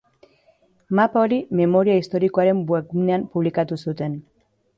Mapa hori memoria historikoaren webgunean publikatu zuten.